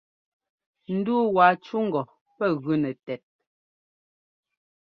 Ndu waa cú ŋgɔ pɛ́ gʉ nɛ tɛt.